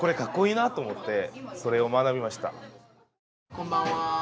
こんばんは。